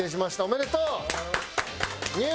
おめでとう！